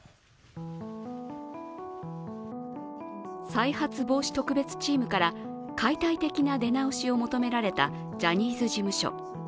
再発防止特別チームから解体的な出直しを求められたジャニーズ事務所。